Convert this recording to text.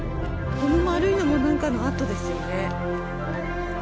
この丸いのも何かの跡ですよね。